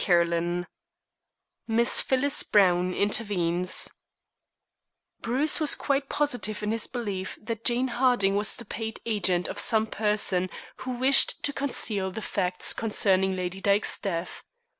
CHAPTER XXV MISS PHYLLIS BROWNE INTERVENES Bruce was quite positive in his belief that Jane Harding was the paid agent of some person who wished to conceal the facts concerning Lady Dyke's death.